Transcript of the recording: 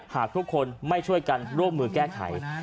หากทุกคนไม่ช่วยกันร่วมมือแก้ไข